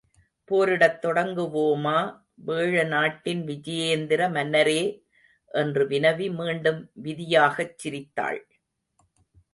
போரிடத் தொடங்குவோமா, வேழநாட்டின் விஜயேந்திர மன்னரே? என்று வினவி, மீண்டும் விதியாகச் சிரித்தாள்.